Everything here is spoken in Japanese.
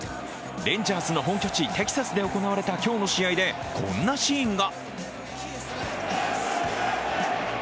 レンジャーズの本拠地・テキサスで行われた今日の試合でこんなシーンが。